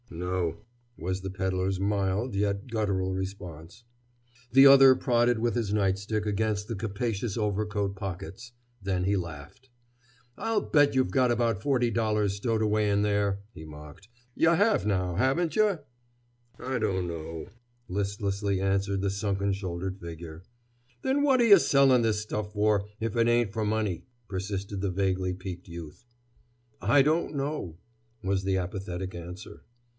"No," was the peddler's mild yet guttural response. The other prodded with his night stick against the capacious overcoat pockets. Then he laughed. "I'll bet yuh've got about forty dollars stowed away in there," he mocked. "Yuh have now, haven't yuh?" "I don' know!" listlessly answered the sunken shouldered figure. "Then what're yuh sellin' this stuff for, if it ain't for money?" persisted the vaguely piqued youth. "I don' know!" was the apathetic answer.